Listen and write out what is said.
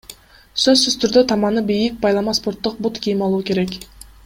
Сөзсүз түрдө — таманы бийик, байлама спорттук бут кийим алуу керек.